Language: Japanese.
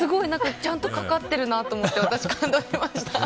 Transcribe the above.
ちゃんと、かかってるなと思って私、感動しました。